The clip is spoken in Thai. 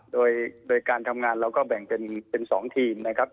โดยการทำงานเราก็แบ่งเป็น๒ทีมนะครับ